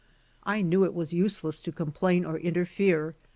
I knew it was useless to complain or interfere.